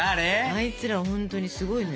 あいつらほんとにすごいのよ。